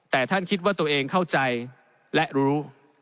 แต่ท่านคิดว่าตัวเองเข้าใจและรู้